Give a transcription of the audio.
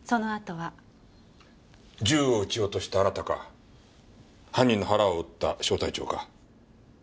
銃を撃ち落としたあなたか犯人の腹を撃った小隊長か。